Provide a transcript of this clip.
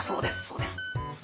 そうです。